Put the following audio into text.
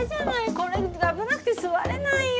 これ危なくて座れないよ